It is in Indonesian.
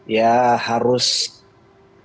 ya harus harus berkomentar